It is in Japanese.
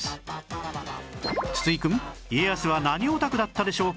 筒井くん家康は何オタクだったでしょうか？